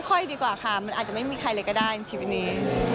ดีกว่าค่ะมันอาจจะไม่มีใครเลยก็ได้ในชีวิตนี้